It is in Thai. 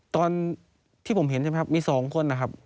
ตอนที่ผมเห็นใช่ไหมครับมี๒คนนะครับ